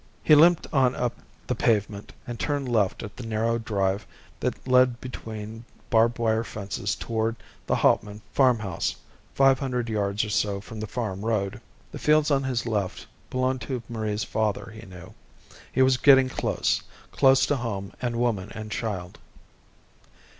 He limped on up the pavement and turned left at the narrow drive that led between barbed wire fences toward the Hauptman farmhouse, five hundred yards or so from the farm road. The fields on his left belonged to Marie's father, he knew. He was getting close close to home and woman and child.